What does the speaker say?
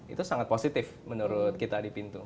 itu sangat positif menurut kita di pintu